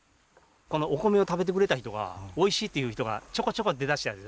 このお米を食べてくれた人が「おいしい」っていう人がちょこちょこ出だしたんですよね。